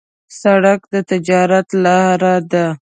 سړک د تجارت لاره ده.